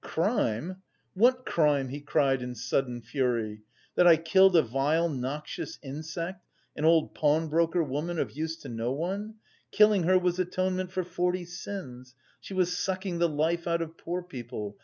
"Crime? What crime?" he cried in sudden fury. "That I killed a vile noxious insect, an old pawnbroker woman, of use to no one!... Killing her was atonement for forty sins. She was sucking the life out of poor people.